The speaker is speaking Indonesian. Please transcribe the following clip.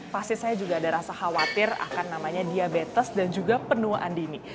pasti saya juga ada rasa khawatir akan namanya diabetes dan juga penuaan dini